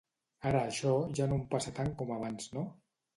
Ara això ja no em passa tant com abans, no?